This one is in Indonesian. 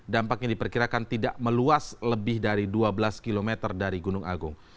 dampaknya diperkirakan tidak meluas lebih dari dua belas km dari gunung agung